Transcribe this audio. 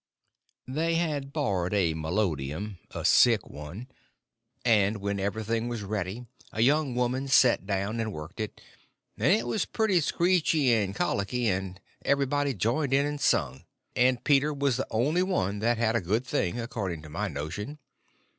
They had borrowed a melodeum—a sick one; and when everything was ready a young woman set down and worked it, and it was pretty skreeky and colicky, and everybody joined in and sung, and Peter was the only one that had a good thing, according to my notion.